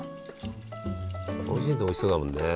こうして見るとおいしそうだもんね。